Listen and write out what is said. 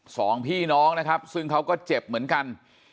สองพี่น้องนะครับซึ่งเขาก็เจ็บเหมือนกัน